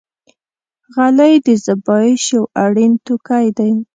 غلۍ د زېبایش یو اړین توکی دی.